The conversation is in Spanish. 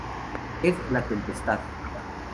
Ed La Tempestad.